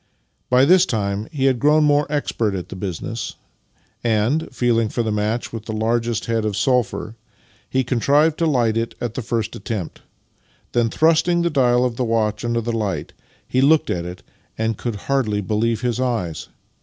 By this time he had grown more expert at the business, and, feeling for the match with the largest head of sulphur, he con trived to light it at the first attempt. Then, thrust ing the dial of the watch under the light, he looked at it, and could hardly believe his eyes